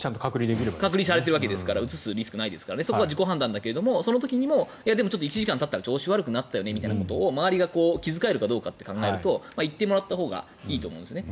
隔離されているわけだからうつすリスクがないからそこは自己判断ですがその時にもでも１時間たったら調子悪くなったよって周りが気遣えるかどうかを考えると言ってもらったほうがいいと思うんですよね。